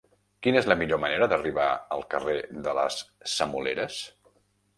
Quina és la millor manera d'arribar al carrer de les Semoleres?